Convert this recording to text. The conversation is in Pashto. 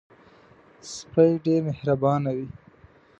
سپي ډېر مهربانه وي.